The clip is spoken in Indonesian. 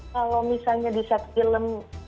kalau misalnya di set film